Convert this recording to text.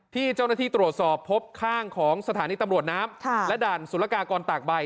ที่เจ้าหน้าที่ตรวจสอบพบข้างของสถานีตำรวจน้ำและด่านสุรกากรตากใบ